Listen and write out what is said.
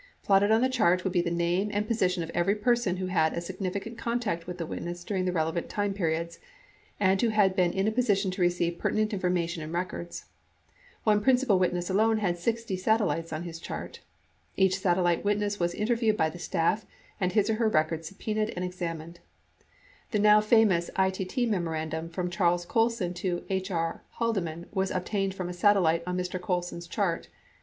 Plotted on the chart would be the name and position of every person who had a significant con tact with the witness during relevant time periods and who had been in a position to receive pertinent information and records. One prin cipal witness alone had 60 satellites on his chart. Each satellite wit ness was interviewed by the staff and his or her records subpenaed and examined. The now famous ITT memorandum from Charles Colson to H. R. Haldeman was obtained from a satellite on Mr. Colson's chart.